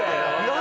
何？